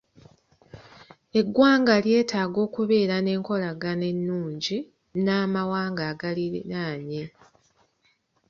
Eggwanga lyetaaga okubeera n'enkolagana ennungi n'amawanga agaliriraanye.